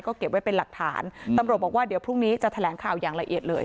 ก็เก็บไว้เป็นหลักฐานตำรวจบอกว่าเดี๋ยวพรุ่งนี้จะแถลงข่าวอย่างละเอียดเลย